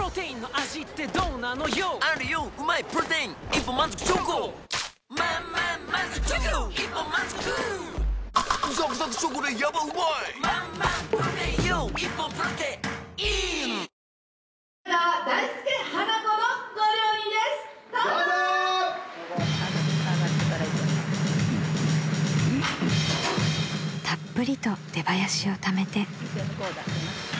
［たっぷりと出ばやしをためて］